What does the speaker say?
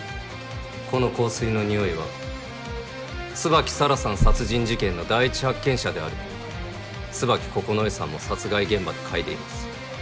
この香水の匂いは椿沙良さん殺人事件の第一発見者である椿九重さんも殺害現場で嗅いでいます。